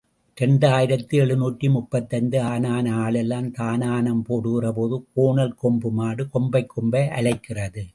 இரண்டு ஆயிரத்து எழுநூற்று முப்பத்தைந்து ஆனான ஆளெல்லாம் தானானம் போடுகிறபோது, கோணல் கொம்பு மாடு கொம்பைக் கொம்பை அலைக்கிறது.